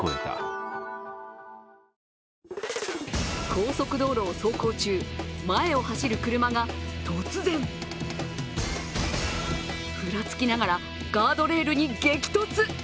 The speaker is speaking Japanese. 高速道路を走行中、前を走る車が突然ふらつきながらガードレールに激突！